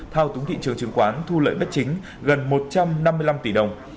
thao túng thị trường chứng khoán thu lợi bất chính gần một trăm năm mươi năm tỷ đồng